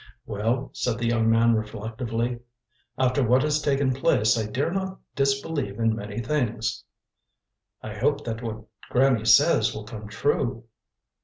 "Well," said the young man reflectively, "after what has taken place I dare not disbelieve in many things." "I hope that what Granny says will come true."